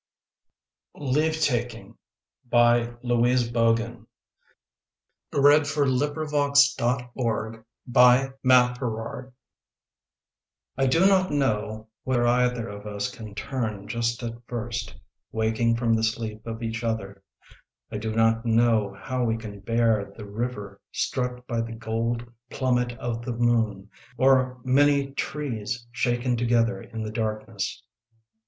ease contact support@jstor.org. POETRY: A Magazine of Verse LEAVE TAKING I do not know where either of us can turn Just at first, waking from the sleep of each other. I do not know how we can bear The river struck by the gold plummet of the moon, Or many trees shaken together in the darkness.